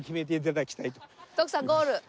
徳さんゴール。